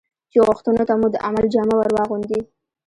چې غوښتنو ته مو د عمل جامه ور واغوندي.